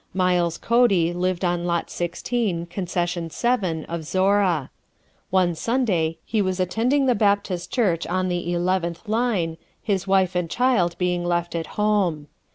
Miles Cody lived on lot 16, concession 7, of Zorra. One Sunday he was attending the Baptist Church on the 11th line, his wife and child being left at home.